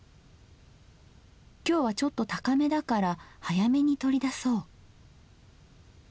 今日はちょっと高めだから早めに取り出そう。